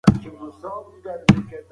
دوی د لمریز نظام له پیل راهیسې شته.